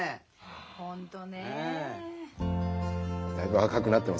本当ね。